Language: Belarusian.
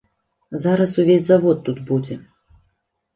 Зараз увесь завод тут будзе.